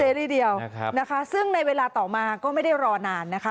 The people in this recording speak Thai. ทีเดียวนะคะซึ่งในเวลาต่อมาก็ไม่ได้รอนานนะคะ